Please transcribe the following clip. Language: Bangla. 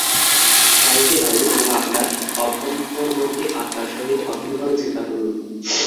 বায়ুকে বায়ুর ও আপনার অভ্যন্তরবর্তী আত্মার সহিত অভিন্নভাবে চিন্তা করুন।